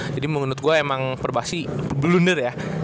jadi menurut gue emang perbahasi blunder ya